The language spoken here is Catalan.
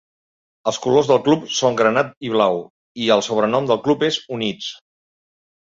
Els colors del club són granat i blau i el sobrenom del club és "Units".